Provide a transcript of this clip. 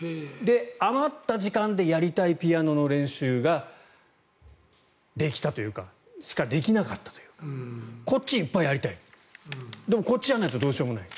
余った時間でやりたいピアノの練習ができたというかそれしかできなかったというかこっちいっぱいやりたいでもこっちやらないとどうしようもない。